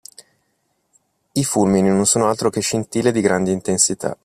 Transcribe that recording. I fulmini non sono altro che scintille di grande intensità.